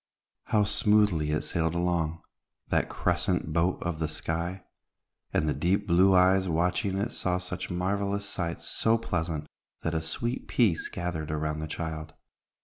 How smoothly it sailed along, that crescent boat of the sky; and the deep blue eyes watching it saw such marvelous sights so pleasant, that a sweet peace gathered around the child.